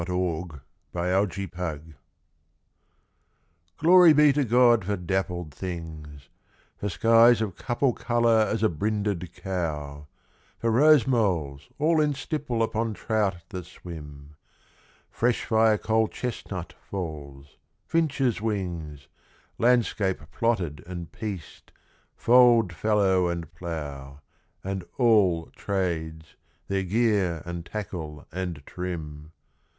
13 Pied Beauty GLORY be to God for dappled things For skies of couple colour as a brinded cow; For rose moles all in stipple upon trout that swim: Fresh firecoal chestnut falls; finches' wings; Landscape plotted and pieced fold, fallow, and plough; And àll tràdes, their gear and tackle and trim.